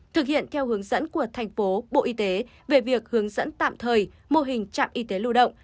thực hiện theo hướng dẫn của thành phố bộ y tế về việc hướng dẫn tạm thời mô hình trạm y tế lưu động